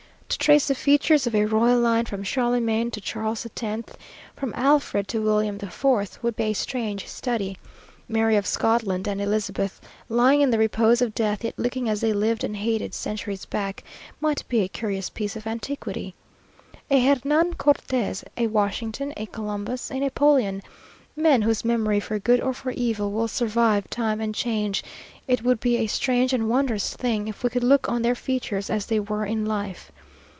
To trace the features of a royal line, from Charlemagne to Charles X. from Alfred to William IV., would be a strange study. Mary of Scotland and Elizabeth, lying in the repose of death, yet looking as they lived and hated centuries back, might be a curious piece of antiquity. A Hernan Cortes a Washington a Columbus a Napoleon; men, whose memory for good or for evil, will survive time and change it would be a strange and wondrous thing, if we could look on their features as they were in life.